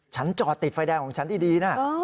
ชั้นจอดติดไฟแดงของฉันอีกดีน่ะ